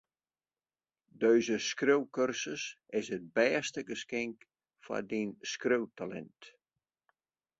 Dizze skriuwkursus is it bêste geskink foar dyn skriuwtalint.